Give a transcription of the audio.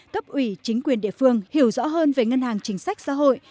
cấp ủy chính quyền địa phương hiểu rõ hơn về ngân hàng chính sách xã hội